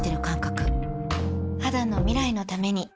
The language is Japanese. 肌の未来のために